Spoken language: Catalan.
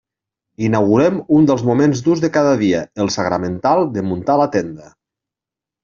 Inaugurem un dels moments durs de cada dia: el sagramental de muntar la tenda.